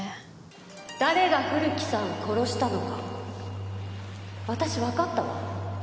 誰が古木さん殺したのか私わかったわ。